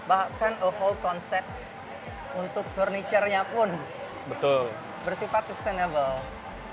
bahkan whole concept untuk furniture nya pun bersifat sustainable